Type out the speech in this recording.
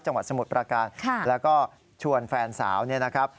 จังหวัดสมุทรภารการณ์แล้วก็ชวนแฟนสาวนะครับ